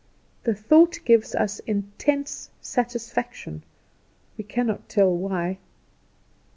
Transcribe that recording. The thought gives us intense satisfaction, we cannot tell why.